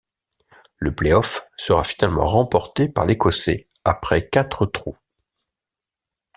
Le play-off sera finalement remporté par l'Écossais après quatre trous.